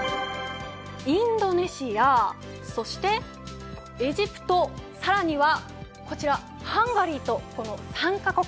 インドネシアそしてエジプト、さらにはこちら、ハンガリーとこの３カ国。